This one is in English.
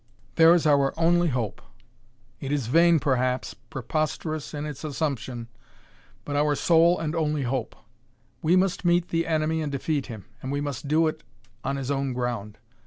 "There is our only hope. It is vain, perhaps preposterous in its assumption but our sole and only hope. We must meet the enemy and defeat him, and we must do it on his own ground.